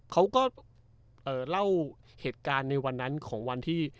เขาก็เล่าเหตุการณ์ในวันนั้นของวันที่